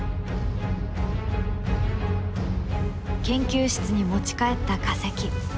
研究室に持ち帰った化石。